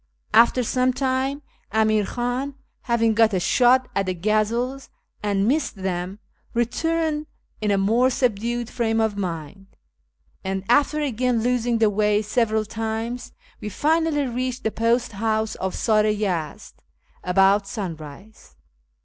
After some time, Amir Khan, having got a shot at the gazelles and missed them, returned in a more subdued frame of mind ; and, after again losing the way several times, we finally reached the post house of Sar i Yezd about sunrise.